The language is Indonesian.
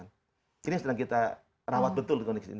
ini yang sedang kita rawat betul